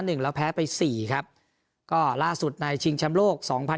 หนึ่งแล้วแพ้ไปสี่ครับก็ล่าสุดในชิงแชมป์โลกสองพัน